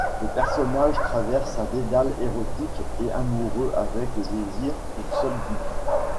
Des personnages traversent un dédale érotique et amoureux avec le désir pour seul guide.